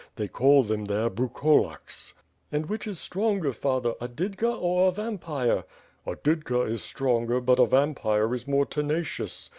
They call them there Brukolaks/^ "And which is stronger, father, a ^didka^ or a vampixe?" "A didka is stronger, but a vampire is more tenacious.